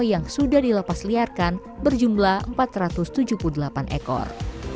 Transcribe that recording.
yang sudah dilepas liarkan berjumlah empat ratus tujuh puluh delapan ekor